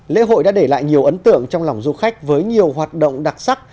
lễ hội đã để lại nhiều ấn tượng trong lòng du khách với nhiều hoạt động đặc sắc